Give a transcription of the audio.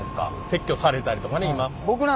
撤去されたりとかね。